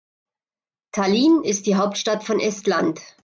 Tallinn ist die Hauptstadt von Estland.